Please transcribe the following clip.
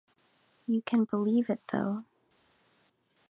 You can believe it, though.